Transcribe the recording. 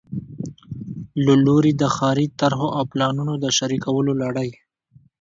له لوري د ښاري طرحو او پلانونو د شریکولو لړۍ